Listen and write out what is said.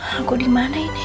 aku dimana ini